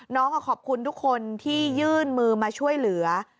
ขอบคุณทุกคนที่ยื่นมือมาช่วยเหลือ